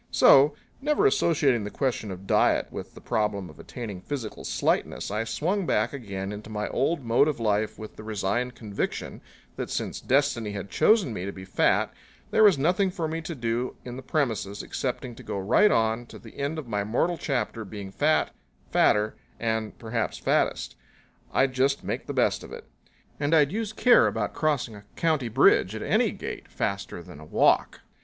So, never associating the question of diet with the problem of attaining physical slightness, I swung back again into my old mode of life with the resigned conviction that since destiny had chosen me to be fat there was nothing for me to do in the premises excepting to go right on to the end of my mortal chapter being fat, fatter and perhaps fattest. I'd just make the best of it. And I'd use care about crossing a county bridge at any gait faster than a walk.